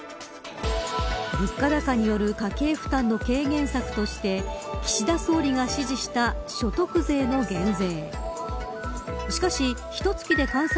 物価高による家計負担の軽減策として岸田総理が指示した所得税の減税。